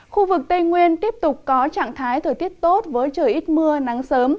khu vực tây nguyên tiếp tục có trạng thái thời tiết tốt với trời ít mưa nắng sớm